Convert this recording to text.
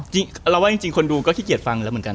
เราว่าจริงคนดูก็ขี้เกียจฟังแล้วเหมือนกัน